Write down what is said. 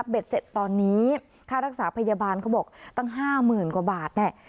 เสร็จตอนนี้ค่ารักษาพยาบาลเขาบอกตั้ง๕๐๐๐กว่าบาทแน่